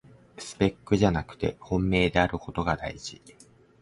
スペックじゃなくて本命であることがだいじ